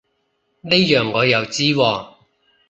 呢樣我又知喎